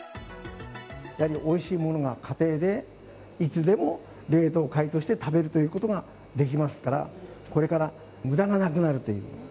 やはりおいしいものが家庭でいつでも冷凍解凍して食べるということができますから、これからむだがなくなるという。